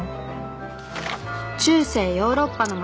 中世ヨーロッパの町。